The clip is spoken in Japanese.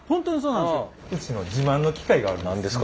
うちの自慢の機械があるんです。